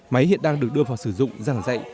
máy hiện đang được đưa vào sử dụng giảng dạy